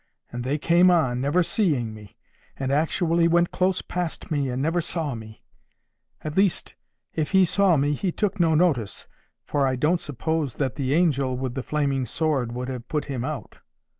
And they came on, never seeing me, and actually went close past me and never saw me; at least, if he saw me he took no notice, for I don't suppose that the angel with the flaming sword would have put him out.